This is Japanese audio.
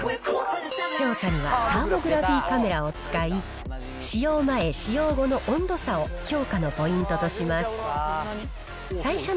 調査にはサーモグラフィカメラを使い、使用前、使用後の温度差を評価のポイントとします。